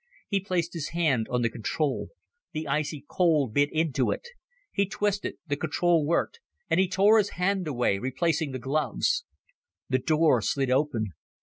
He placed his hand on the control. The icy cold bit into it. He twisted, the control worked, and he tore his hand away, replacing the gloves. The door slid open.